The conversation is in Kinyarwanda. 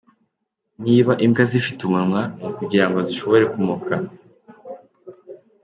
"Niba imbwa zifite umunwa, ni ukugira ngo zishobore kumoka".